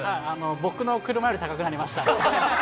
僕の車より高くなりました。